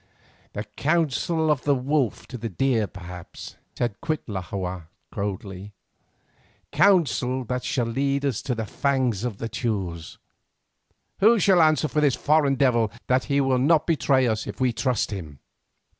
"The counsel of the wolf to the deer perhaps," said Cuitlahua, coldly; "counsel that shall lead us to the fangs of the Teules. Who shall answer for this foreign devil, that he will not betray us if we trust him?"